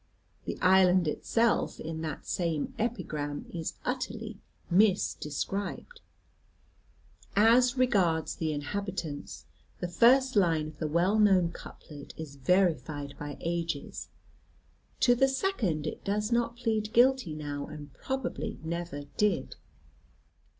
The island itself in that same epigram is utterly mis described. As regards the inhabitants, the first line of the well known couplet is verified by ages; to the second it does not plead guilty now, and probably never did.